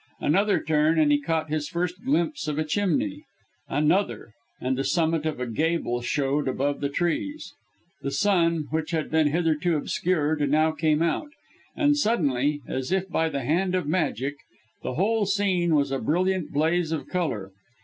Another turn, and he caught his first glimpse of a chimney; another and the summit of a gable showed above the trees. The sun, which had been hitherto obscured, now came out, and suddenly as if by the hand of magic the whole scene was a brilliant blaze of colour.